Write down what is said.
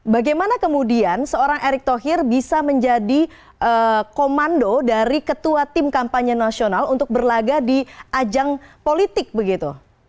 bagaimana kemudian seorang erick thohir bisa menjadi komando dari ketua tim kampanye nasional untuk berlaga di ajang politik begitu